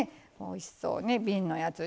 おいしそうね瓶のやつ。